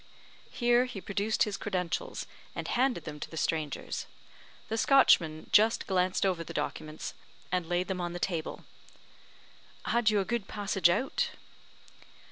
Here he produced his credentials, and handed them to the strangers. The Scotchman just glanced over the documents, and laid them on the table. "Had you a good passage out?"